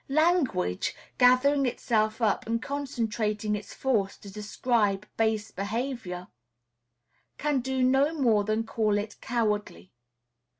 Language, gathering itself up and concentrating its force to describe base behavior, can do no more than call it "cowardly."